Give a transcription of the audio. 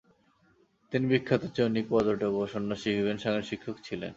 তিনি বিখ্যাত চৈনিক পর্যটক ও সন্ন্যাসী হিউয়েন সাঙের শিক্ষক ছিলেন।